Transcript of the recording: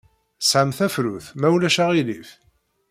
Tesɛam tafrut, ma ulac aɣilif?